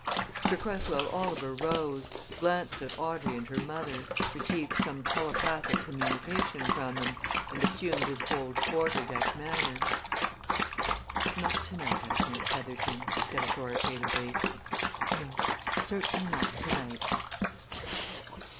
Sir Cresswell Oliver rose, glanced at Audrey and her mother, received some telepathic communication from them, and assumed his old quarter deck manner. "Not tonight, I think, Petherton," he said authoritatively. "No certainly not tonight!"